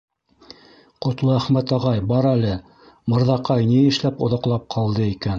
- Ҡотлоәхмәт ағай, бар әле, Мырҙаҡай ни эшләп оҙаҡлап ҡалды икән?